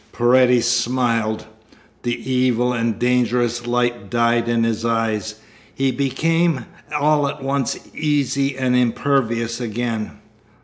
Paredes smiled. The evil and dangerous light died in his eyes. He became all at once easy and impervious again.